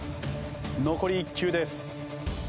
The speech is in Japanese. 残り１球です。